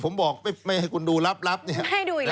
ไม่ให้ดูอีกแล้ว